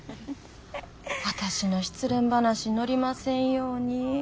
私の失恋話載りませんように。